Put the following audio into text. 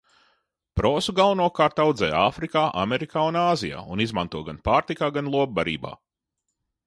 Prosu galvenokārt audzē Āfrikā, Amerikā un Āzijā, un izmanto gan pārtikā, gan lopbarībā.